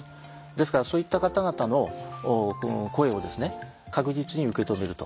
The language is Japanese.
ですからそういった方々の声をですね確実に受け止めると。